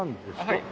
はい。